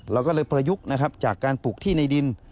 เราก็เลยประยุกต์นะครับจากการปลูกที่ในดิน